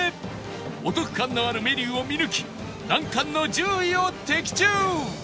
お得感のあるメニューを見抜き難関の１０位を的中！